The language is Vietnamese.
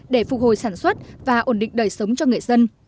để phục hồi sản xuất và ổn định đời sống cho người dân